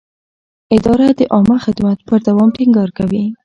اداره د عامه خدمت پر دوام ټینګار کوي.